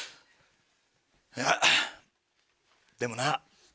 いやでもな